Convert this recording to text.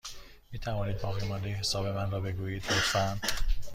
می توانید باقیمانده حساب من را بگویید، لطفا؟